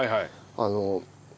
あの。